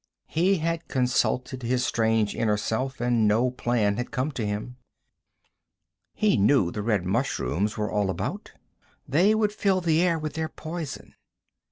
He had consulted his strange inner self, and no plan had come to him. He knew the red mushrooms were all about. They would fill the air with their poison.